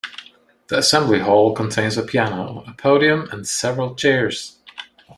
The Assembly Hall contains a piano, a podium and several chairs.